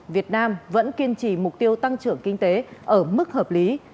việt nam vẫn kiên trì mục tiêu tăng trưởng kinh tế ở mức hợp lý